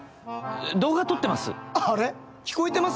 動画撮ってます？